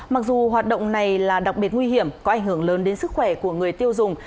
mặc dù hoạt động này là đặc biệt nguy hiểm có ảnh hưởng lớn đến sức khỏe của người tiêu dùng